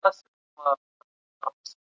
باسواده ښځه د خاوند سره ښه مفاهمه کولای سي